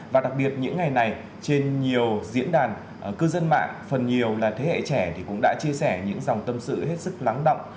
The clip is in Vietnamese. và đặc biệt những ngày này trên nhiều diễn đàn cư dân mạng phần nhiều là thế hệ trẻ cũng đã chia sẻ những dòng tâm sự hết sức lắng động